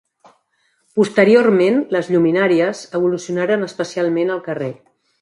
Posteriorment, les lluminàries evolucionaren especialment al carrer.